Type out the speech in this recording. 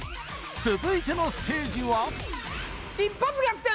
続いてのステージは一発逆転